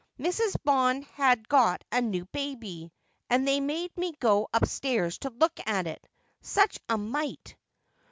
' Mrs. Bond has got a new baby, and they made me go upstairs to look at it. Such a mite